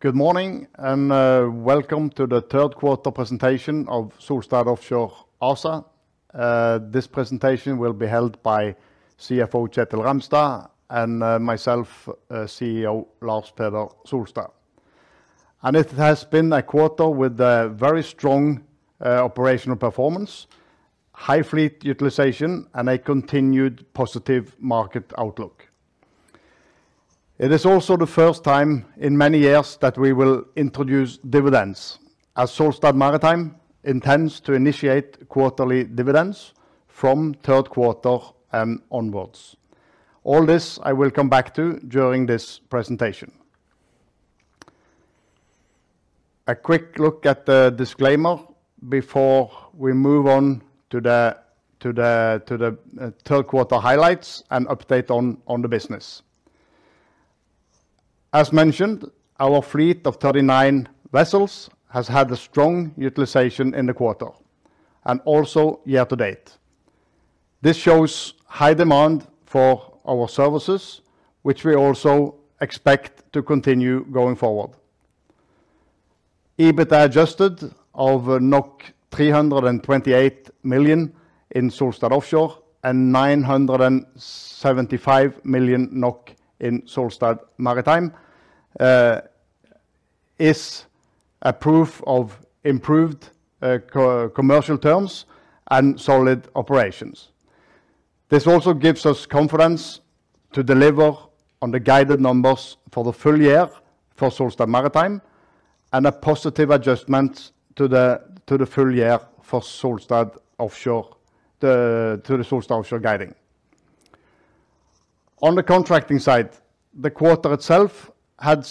Good morning, and welcome to the third quarter presentation of Solstad Offshore ASA. This presentation will be held by CFO Kjetil Ramstad and myself, CEO Lars Peder Solstad. And it has been a quarter with a very strong operational performance, high fleet utilization, and a continued positive market outlook. It is also the first time in many years that we will introduce dividends, as Solstad Maritime intends to initiate quarterly dividends from third quarter and onwards. All this I will come back to during this presentation. A quick look at the disclaimer before we move on to the third quarter highlights and update on the business. As mentioned, our fleet of thirty-nine vessels has had a strong utilization in the quarter, and also year to date. This shows high demand for our services, which we also expect to continue going forward. EBITDA adjusted of 328 million in Solstad Offshore and 975 million NOK in Solstad Maritime is a proof of improved commercial terms and solid operations. This also gives us confidence to deliver on the guided numbers for the full year for Solstad Maritime, and a positive adjustment to the full year for Solstad Offshore, to the Solstad Offshore guiding. On the contracting side, the quarter itself had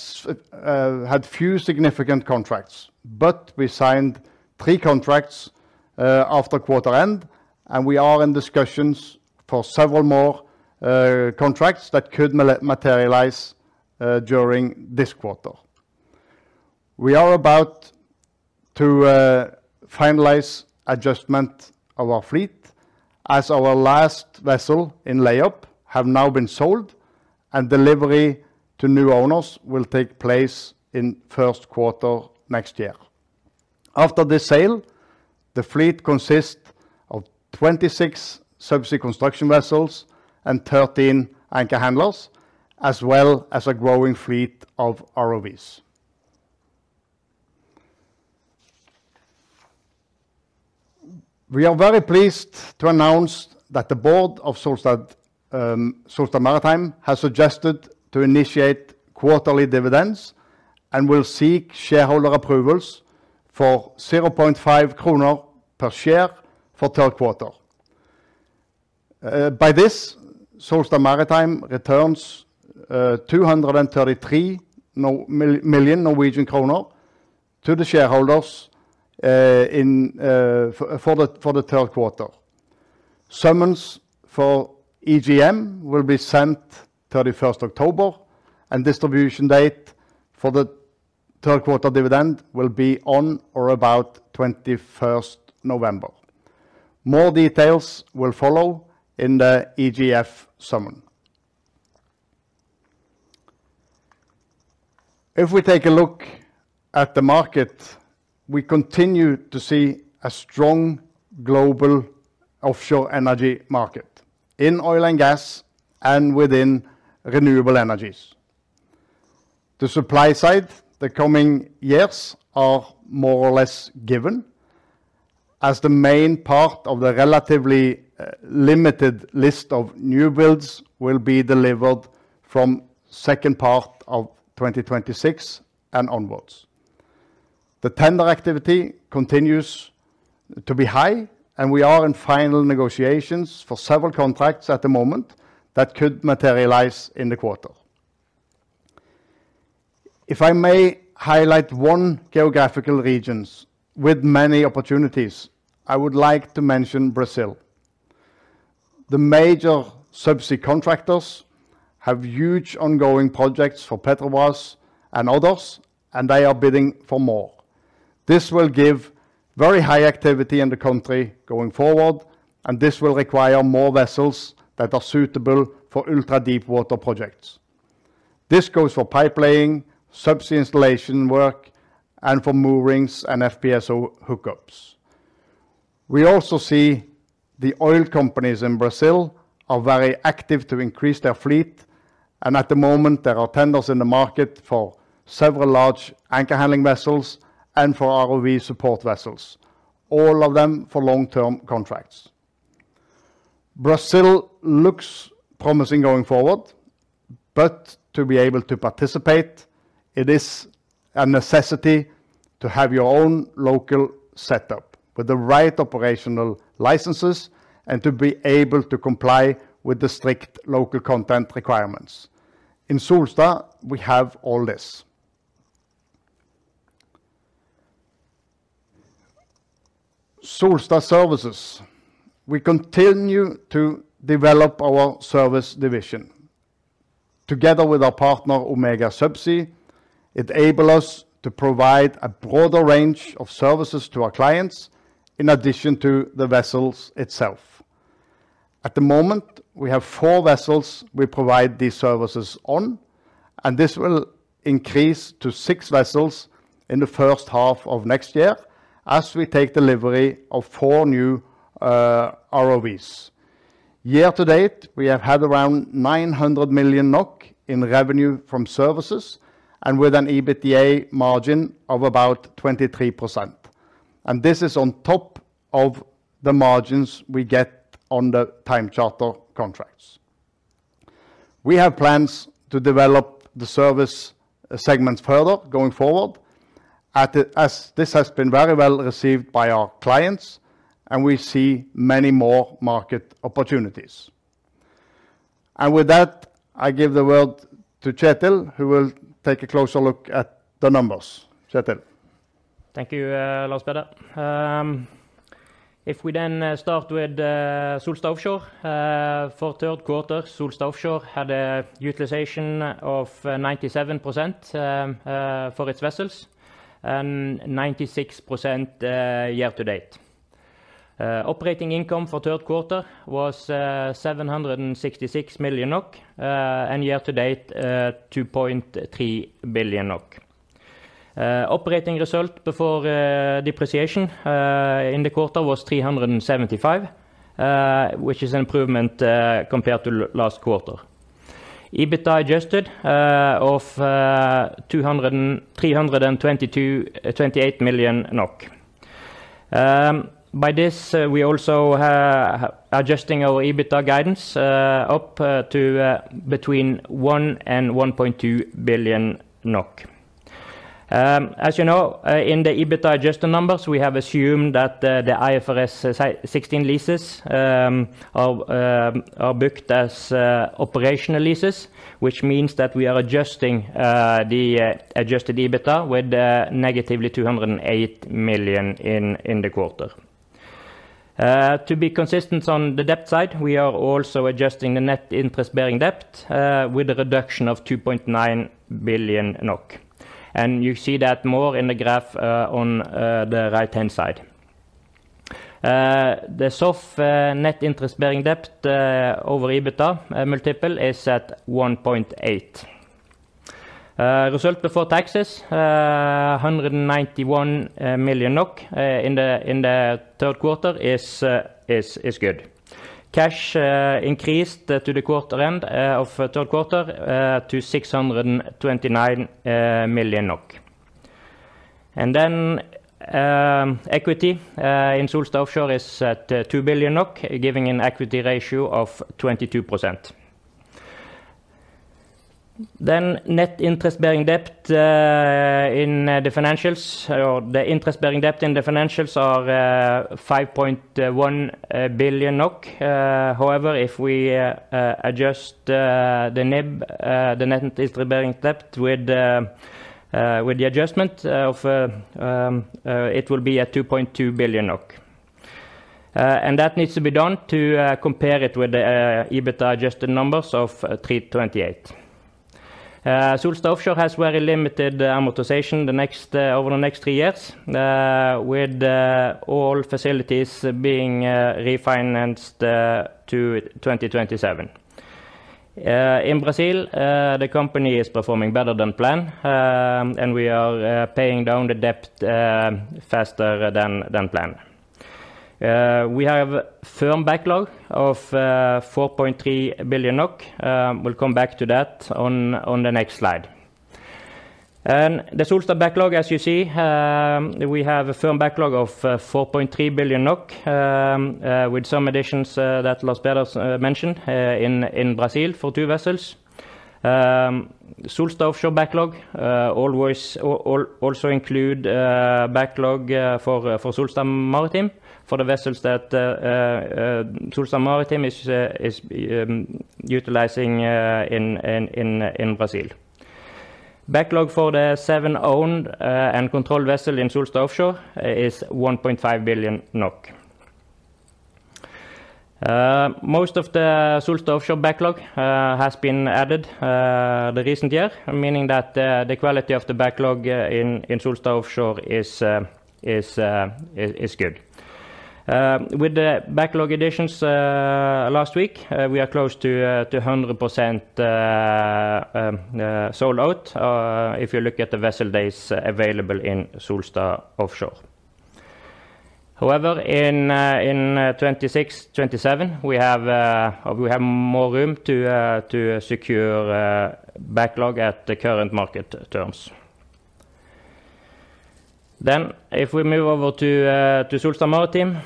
few significant contracts, but we signed three contracts after quarter end, and we are in discussions for several more contracts that could materialize during this quarter. We are about to finalize adjustment of our fleet, as our last vessel in layup has now been sold, and delivery to new owners will take place in first quarter next year. After this sale, the fleet consists of 26 subsea construction vessels and 13 anchor handlers, as well as a growing fleet of ROVs. We are very pleased to announce that the board of Solstad Maritime has suggested to initiate quarterly dividends and will seek shareholder approvals for 0.5 kroner per share for third quarter. By this, Solstad Maritime returns 233 million Norwegian kroner to the shareholders in for the third quarter. Summons for EGM will be sent thirty-first October, and distribution date for the third quarter dividend will be on or about twenty-first November. More details will follow in the EGM summons. If we take a look at the market, we continue to see a strong global offshore energy market in oil and gas and within renewable energies. The supply side, the coming years are more or less given, as the main part of the relatively limited list of new builds will be delivered from second part of 2026 and onwards. The tender activity continues to be high, and we are in final negotiations for several contracts at the moment that could materialize in the quarter. If I may highlight one geographical regions with many opportunities, I would like to mention Brazil. The major subsea contractors have huge ongoing projects for Petrobras and others, and they are bidding for more. This will give very high activity in the country going forward, and this will require more vessels that are suitable for ultra-deepwater projects. This goes for pipe laying, subsea installation work, and for moorings and FPSO hookups. We also see the oil companies in Brazil are very active to increase their fleet, and at the moment, there are tenders in the market for several large anchor handling vessels and for ROV support vessels, all of them for long-term contracts. Brazil looks promising going forward, but to be able to participate, it is a necessity to have your own local setup with the right operational licenses and to be able to comply with the strict local content requirements. In Solstad, we have all this. Solstad Services, we continue to develop our service division. Together with our partner, Omega Subsea, it enable us to provide a broader range of services to our clients in addition to the vessels itself. At the moment, we have four vessels we provide these services on, and this will increase to six vessels in the first half of next year as we take delivery of four new ROVs. Year to date, we have had around 900 million NOK in revenue from services, and with an EBITDA margin of about 23%, and this is on top of the margins we get on the time charter contracts. We have plans to develop the service segments further going forward, as this has been very well received by our clients, and we see many more market opportunities. And with that, I give the word to Kjetil, who will take a closer look at the numbers. Kjetil? Thank you, Lars Peder. If we then start with Solstad Offshore. For third quarter, Solstad Offshore had a utilization of 97% for its vessels and 96% year to date. Operating income for third quarter was 766 million NOK and year to date 2.3 billion NOK. Operating result before depreciation in the quarter was 375 million NOK, which is an improvement compared to last quarter. EBITDA adjusted of 203 million NOK. By this, we also have adjusting our EBITDA guidance up to between 1 and 1.2 billion NOK. As you know, in the EBITDA adjusted numbers, we have assumed that the IFRS 16 leases are booked as operational leases, which means that we are adjusting the adjusted EBITDA with negatively 208 million in the quarter. To be consistent on the debt side, we are also adjusting the net interest-bearing debt with a reduction of 2.9 billion NOK. You see that more in the graph on the right-hand side. So, the net interest-bearing debt over EBITDA multiple is at 1.8. Result before taxes, 191 million NOK, in the third quarter is good. Cash increased to the quarter-end of the third quarter to 629 million NOK. Equity in Solstad Offshore is at 2 billion NOK, giving an equity ratio of 22%. Net interest-bearing debt in the financials or the interest-bearing debt in the financials are 5.1 billion NOK. However, if we adjust the NIB, the net interest-bearing debt with the adjustment of, it will be 2.2 billion NOK. And that needs to be done to compare it with the EBITDA adjusted numbers of 328. Solstad Offshore has very limited amortization over the next three years, with all facilities being refinanced to 2027. In Brazil, the company is performing better than planned, and we are paying down the debt faster than planned. We have a firm backlog of 4.3 billion NOK. We'll come back to that on the next slide. The Solstad backlog, as you see, we have a firm backlog of 4.3 billion NOK, with some additions that Lars Peder mentioned in Brazil for two vessels. Solstad Offshore backlog always also include backlog for Solstad Maritime, for the vessels that Solstad Maritime is utilizing in Brazil. Backlog for the seven owned and controlled vessel in Solstad Offshore is 1.5 billion NOK. Most of the Solstad Offshore backlog has been added the recent year, meaning that the quality of the backlog in Solstad Offshore is good. With the backlog additions last week, we are close to 100% sold out, if you look at the vessel days available in Solstad Offshore. However, in 2026, 2027, we have more room to secure backlog at the current market terms. Then, if we move over to Solstad Maritime,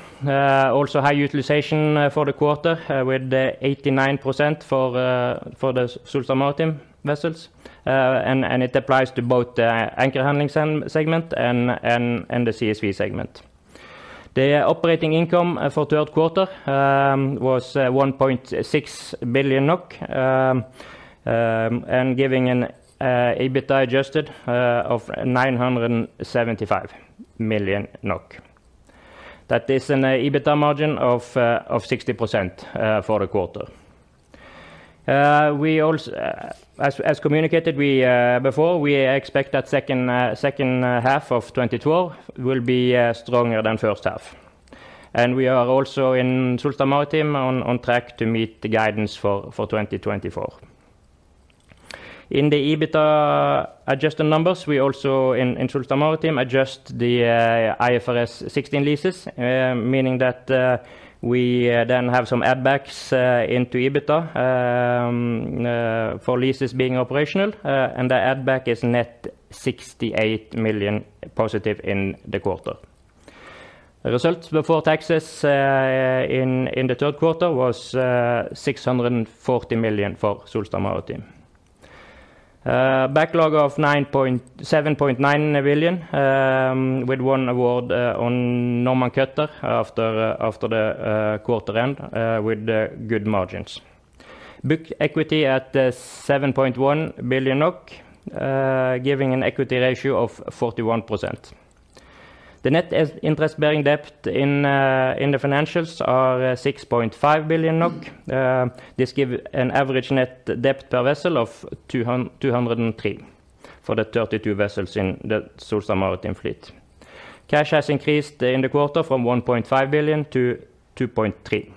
also high utilization for the quarter, with 89% for the Solstad Maritime vessels. And it applies to both the anchor handling segment and the CSV segment. The operating income for third quarter was 1.6 billion NOK and giving an EBITDA adjusted of 975 million NOK. That is an EBITDA margin of 60% for the quarter. As communicated before, we expect that second half of 2012 will be stronger than first half. We are also in Solstad Maritime on track to meet the guidance for 2024. In the EBITDA adjusted numbers, we also in Solstad Maritime adjust the IFRS 16 leases, meaning that we then have some add backs into EBITDA for leases being operational. And the add back is net 68 million positive in the quarter. The results before taxes in the third quarter was 640 million for Solstad Maritime. Backlog of 7.9 billion with one award on Normand Cutter after the quarter end with good margins. Book equity at 7.1 billion NOK giving an equity ratio of 41%. The net interest-bearing debt in the financials are 6.5 billion NOK. This give an average net debt per vessel of 203 for the 32 vessels in the Solstad Maritime fleet. Cash has increased in the quarter from 1.5 billion to 2.3 billion.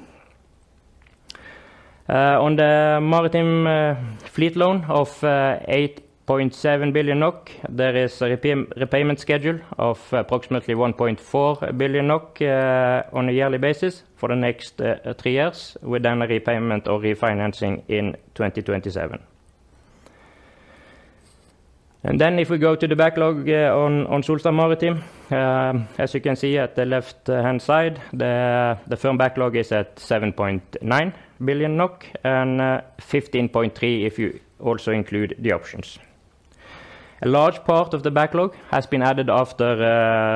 On the maritime fleet loan of 8.7 billion NOK, there is a repayment schedule of approximately 1.4 billion NOK on a yearly basis for the next three years, with then a repayment or refinancing in 2027. Then if we go to the backlog on Solstad Maritime, as you can see at the left-hand side, the firm backlog is at 7.9 billion NOK, and 15.3 if you also include the options. A large part of the backlog has been added after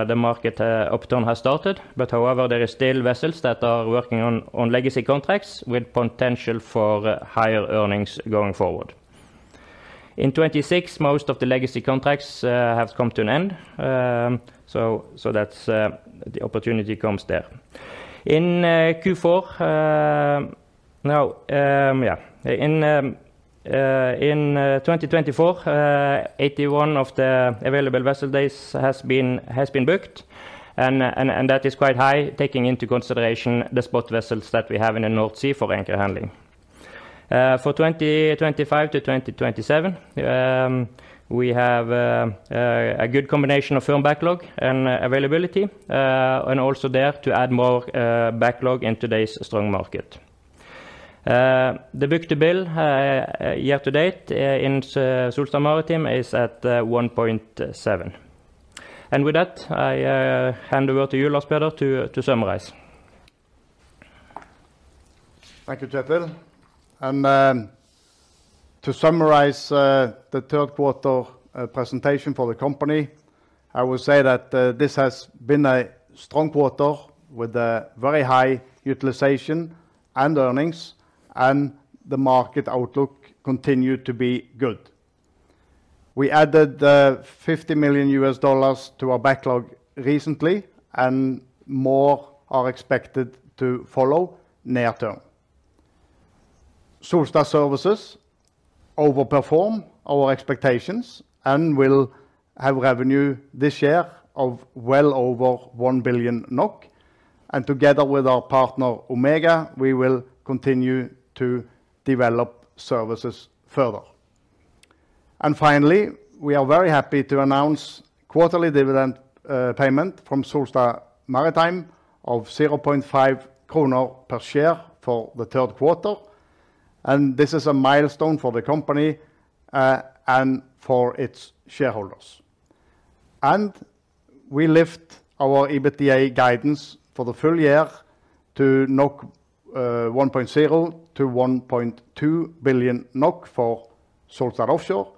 the market upturn has started. But however, there is still vessels that are working on legacy contracts, with potential for higher earnings going forward. In 2026, most of the legacy contracts have come to an end. So that's the opportunity comes there. Yeah, in 2024, 81 of the available vessel days has been booked, and that is quite high, taking into consideration the spot vessels that we have in the North Sea for anchor handling. For 2025 to 2027, we have a good combination of firm backlog and availability, and also there to add more backlog in today's strong market. The book-to-bill year to date in Solstad Maritime is at 1.7. And with that, I hand over to you, Lars Peder, to summarize. Thank you, Kjetil. To summarize the third quarter presentation for the company, I will say that this has been a strong quarter with a very high utilization and earnings, and the market outlook continued to be good. We added $50 million to our backlog recently, and more are expected to follow near term. Solstad Services overperformed our expectations and will have revenue this year of well over 1 billion NOK, and together with our partner, Omega, we will continue to develop services further. And finally, we are very happy to announce quarterly dividend payment from Solstad Maritime of 0.5 kroner per share for the third quarter, and this is a milestone for the company, and for its shareholders. We lift our EBITDA guidance for the full year to 1.0-1.2 billion NOK for Solstad Offshore,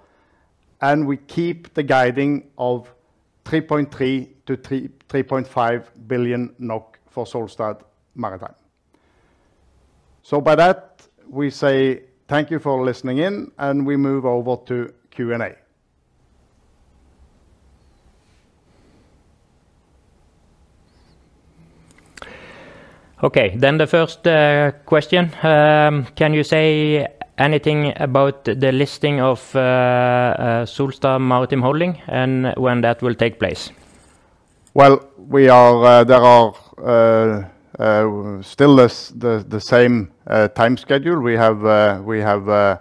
and we keep the guiding of 3.3-3.5 billion NOK for Solstad Maritime. By that, we say thank you for listening in, and we move over to Q&A. Okay, then the first question: Can you say anything about the listing of Solstad Maritime Holding and when that will take place? There are still the same time schedule. We have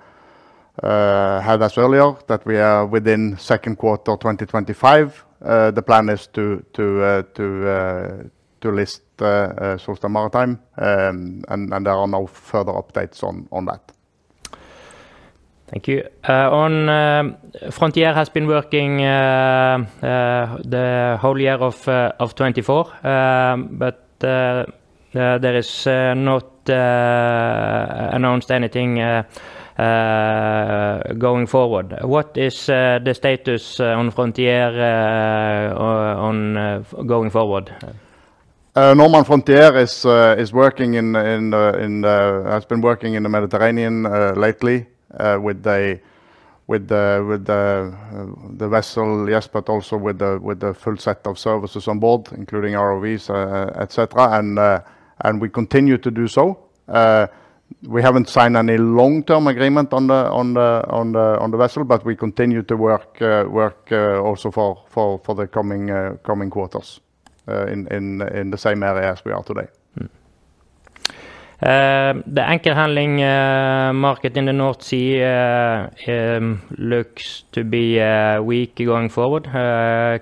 had as earlier that we are within second quarter of 2025. The plan is to list Solstad Maritime, and there are no further updates on that. Thank you. On Frontier has been working the whole year of 2024, but there is not announced anything going forward. What is the status on Frontier going forward? Normand Frontier has been working in the Mediterranean lately with the vessel, yes, but also with the full set of services on board, including ROVs, et cetera. We continue to do so. We haven't signed any long-term agreement on the vessel, but we continue to work also for the coming quarters in the same area as we are today. The anchor handling market in the North Sea looks to be weak going forward.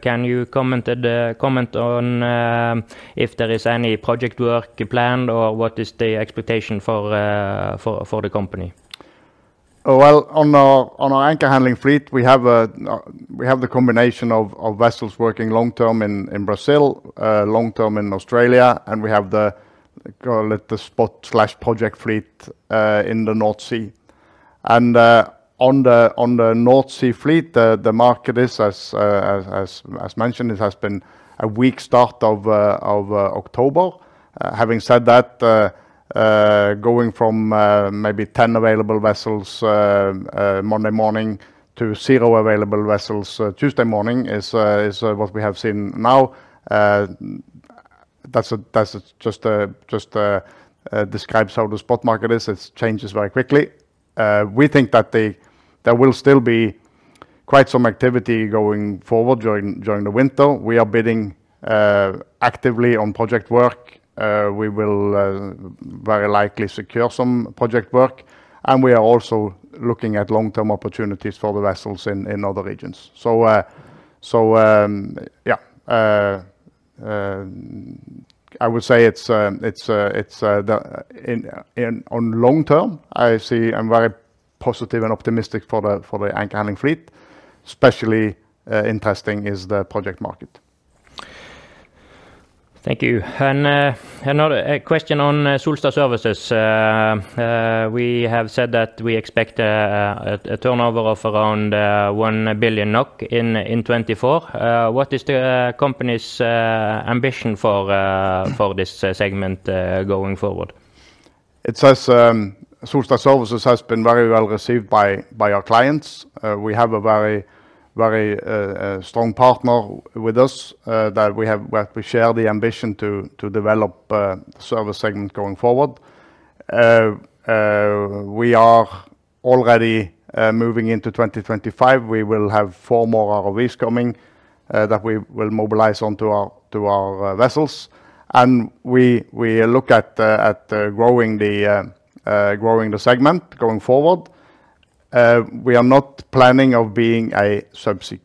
Can you comment on if there is any project work planned, or what is the expectation for the company? On our anchor handling fleet, we have the combination of vessels working long-term in Brazil, long-term in Australia, and we have the, call it, the spot/project fleet in the North Sea. On the North Sea fleet, the market is as mentioned. It has been a weak start of October. Having said that, going from maybe 10 available vessels Monday morning to 0 available vessels Tuesday morning is what we have seen now. That just describes how the spot market is. It changes very quickly. We think that there will still be quite some activity going forward during the winter. We are bidding actively on project work. We will very likely secure some project work, and we are also looking at long-term opportunities for the vessels in other regions. I would say it's... On long term, I see I'm very positive and optimistic for the anchor handling fleet, especially interesting is the project market. Thank you. And, another question on Solstad Services. We have said that we expect a turnover of around 1 billion NOK in 2024. What is the company's ambition for this segment going forward? As Solstad Services has been very well received by our clients. We have a very strong partner with us that we share the ambition to develop service segment going forward. We are already moving into 2025. We will have four more ROVs coming that we will mobilize onto our vessels. We look at growing the segment going forward. We are not planning on being a subsea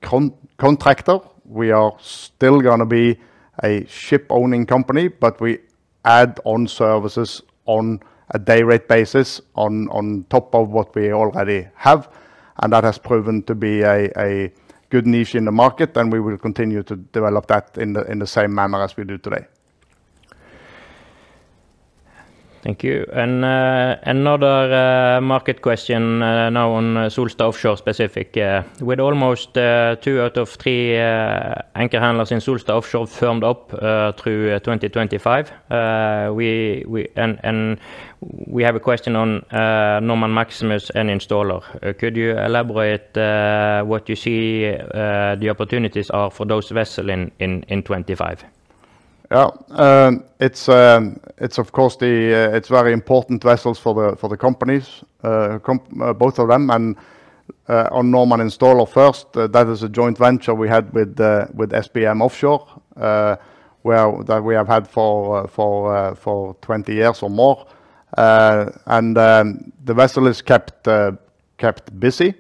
contractor. We are still gonna be a ship-owning company, but we add on services on a day rate basis, on top of what we already have, and that has proven to be a good niche in the market, and we will continue to develop that in the same manner as we do today. Thank you. Another market question now on Solstad Offshore specific. With almost two out of three anchor handlers in Solstad Offshore firmed up through twenty twenty-five. We have a question on Normand Maximus and Installer. Could you elaborate what you see the opportunities are for those vessel in twenty-five? Yeah. It's, of course, it's very important vessels for the companies, both of them. And on Normand Installer first, that is a joint venture we had with SBM Offshore, that we have had for twenty years or more. And the vessel is kept busy.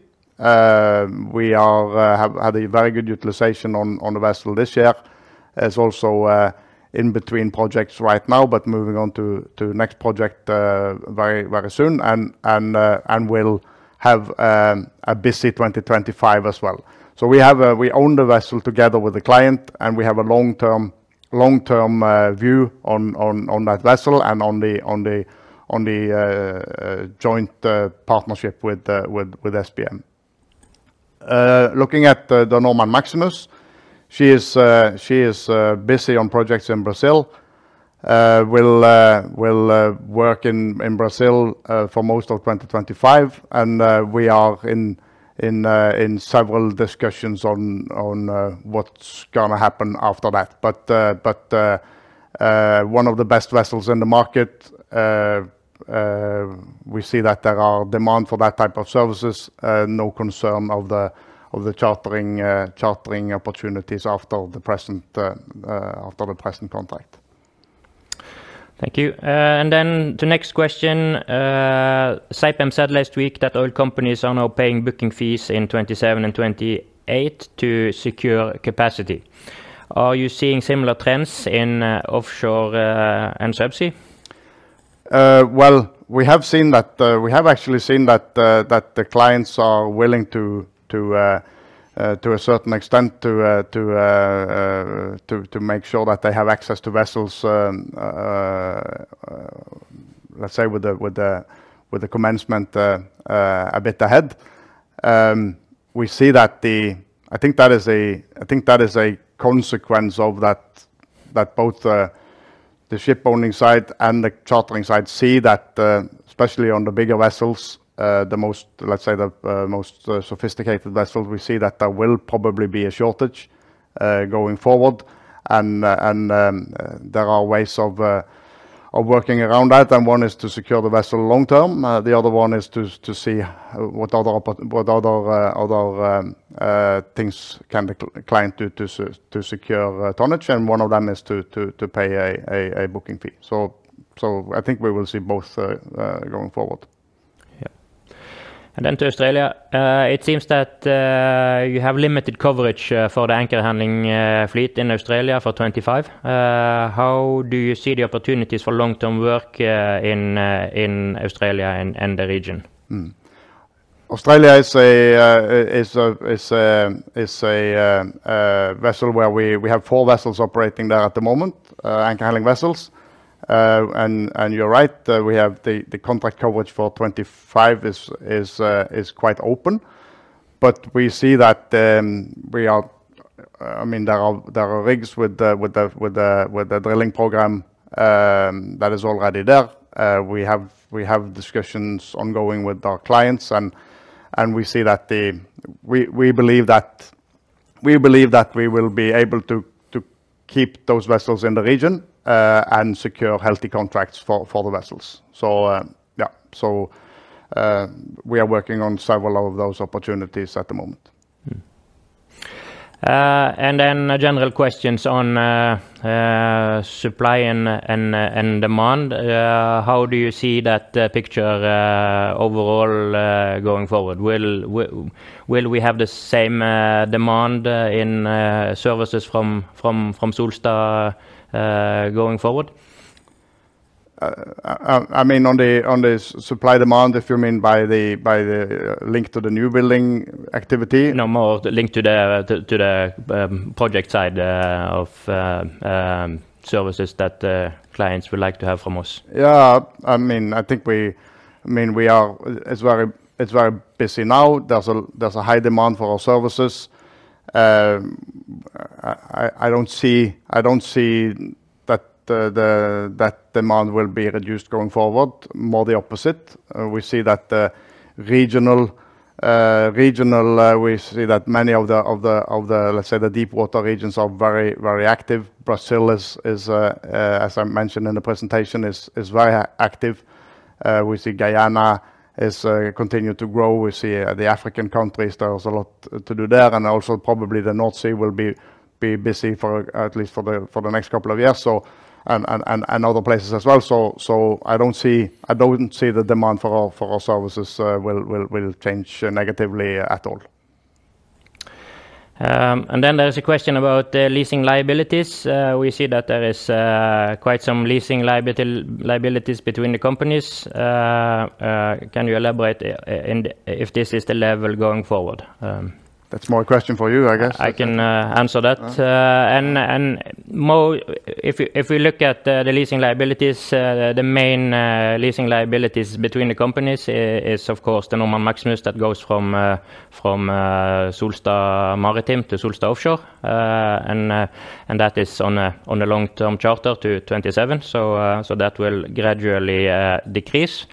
We have had a very good utilization on the vessel this year. It's also in between projects right now, but moving on to next project very very soon, and will have a busy twenty twenty-five as well. We have a vessel that we own together with the client, and we have a long-term view on that vessel and on the joint partnership with SBM. Looking at the Normand Maximus, she is busy on projects in Brazil. She will work in Brazil for most of twenty twenty-five, and we are in several discussions on what's gonna happen after that. But one of the best vessels in the market, we see that there are demand for that type of services, no concern of the chartering opportunities after the present contract. Thank you, and then the next question, Saipem said last week that oil companies are now paying booking fees in 2027 and 2028 to secure capacity. Are you seeing similar trends in offshore and subsea? Well, we have seen that, we have actually seen that, that the clients are willing to a certain extent to make sure that they have access to vessels, let's say, with the commencement a bit ahead. We see that the. I think that is a consequence of that, that both the ship owning side and the chartering side see that, especially on the bigger vessels, the most, let's say, the most sophisticated vessels, we see that there will probably be a shortage going forward. And, and there are ways of working around that, and one is to secure the vessel long term. The other one is to see what other things can the client do to secure tonnage, and one of them is to pay a booking fee. So I think we will see both going forward. Yeah. And then to Australia. It seems that you have limited coverage for the anchor handling fleet in Australia for 2025. How do you see the opportunities for long-term work in Australia and the region? Mm-hmm. Australia is an area where we have four vessels operating there at the moment, anchor handling vessels. And you're right, we have the contract coverage for 2025 is quite open. But we see that. I mean, there are rigs with the drilling program that is already there. We have discussions ongoing with our clients, and we see that we believe that we will be able to keep those vessels in the region, and secure healthy contracts for the vessels. Yeah, we are working on several of those opportunities at the moment. Mm-hmm. And then general questions on supply and demand. How do you see that picture overall going forward? Will we have the same demand in services from Solstad going forward? I mean, on the supply demand, if you mean by the link to the new building activity? No, more the link to the project side of services that clients would like to have from us. Yeah, I mean, I think we are. It's very busy now. There's a high demand for our services. I don't see that demand will be reduced going forward, more the opposite. We see that many of the, let's say, the deepwater regions are very active. Brazil is, as I mentioned in the presentation, very active. We see Guyana continuing to grow. We see the African countries, there is a lot to do there, and also probably the North Sea will be busy for at least the next couple of years, so. And other places as well. I don't see the demand for our services will change negatively at all. And then there is a question about the leasing liabilities. We see that there is quite some leasing liabilities between the companies. Can you elaborate and if this is the level going forward? That's more a question for you, I guess. I can answer that. Uh. And more, if you look at the leasing liabilities, the main leasing liabilities between the companies is, of course, the Normand Maximus that goes from Solstad Maritime to Solstad Offshore. And that is on a long-term charter to 2027, so that will gradually decrease.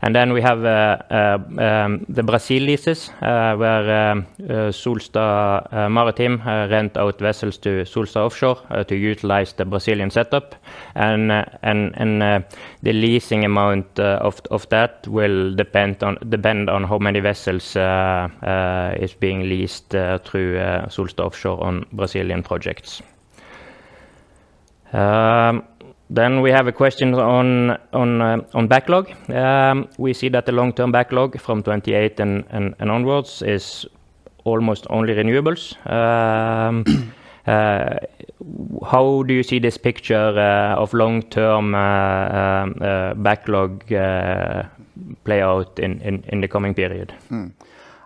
And then we have the Brazil leases, where Solstad Maritime rent out vessels to Solstad Offshore, to utilize the Brazilian setup. And the leasing amount of that will depend on how many vessels is being leased through Solstad Offshore on Brazilian projects. Then we have a question on backlog. We see that the long-term backlog from 2028 and onwards is almost only renewables. How do you see this picture of long-term backlog play out in the coming period?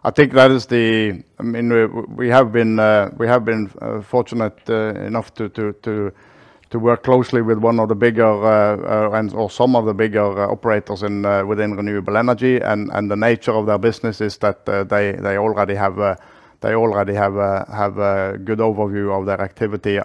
I think that is. I mean, we have been fortunate enough to work closely with one of the bigger and or some of the bigger operators within renewable energy. The nature of their business is that they already have a good overview of their activity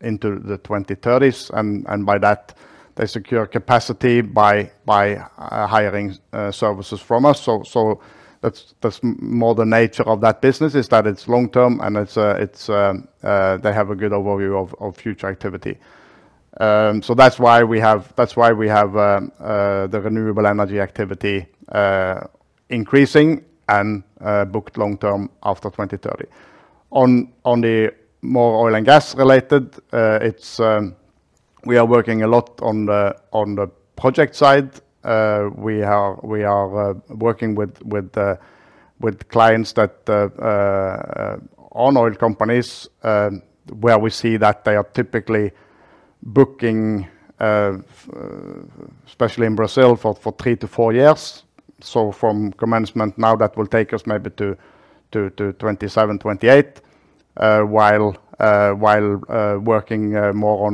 into the 2030s. By that, they secure capacity by hiring services from us. So that's more the nature of that business, is that it's long term, and they have a good overview of future activity. So that's why we have the renewable energy activity increasing and booked long term after 2030. On the more oil and gas-related, it's. We are working a lot on the project side. We are working with clients that are oil companies, where we see that they are typically booking, especially in Brazil, for three to four years. So from commencement now, that will take us maybe to 2027, 2028. While working more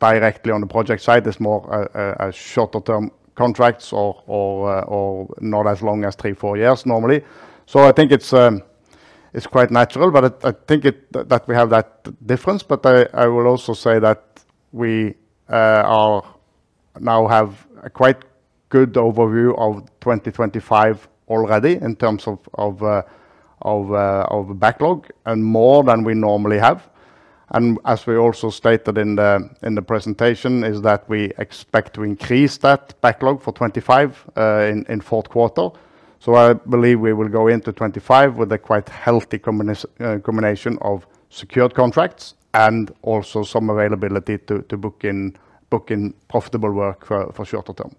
directly on the project side, there's more shorter-term contracts or not as long as three, four years normally. So I think it's quite natural, but I think that we have that difference. But I will also say that we now have a quite good overview of twenty twenty-five already in terms of backlog and more than we normally have. And as we also stated in the presentation, is that we expect to increase that backlog for twenty-five in fourth quarter. I believe we will go into twenty-five with a quite healthy combination of secured contracts and also some availability to book in profitable work for shorter term.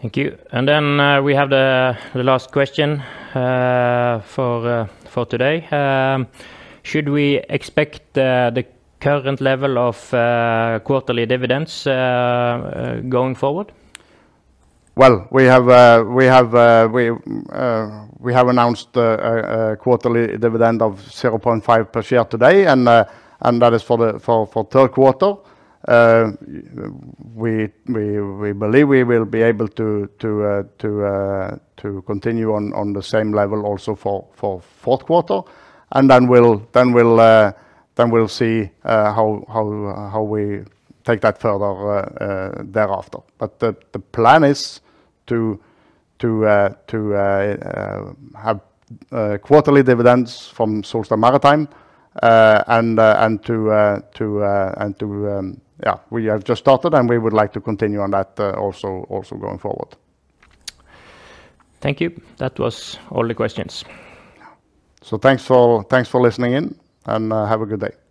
Thank you. And then, we have the last question for today. Should we expect the current level of quarterly dividends going forward? We have announced a quarterly dividend of 0.5 per share today, and that is for the third quarter. We believe we will be able to continue on the same level also for fourth quarter. And then we'll see how we take that further thereafter. But the plan is to have quarterly dividends from Solstad Maritime, and to... Yeah, we have just started, and we would like to continue on that also going forward. Thank you. That was all the questions. Thanks for listening in, and have a good day.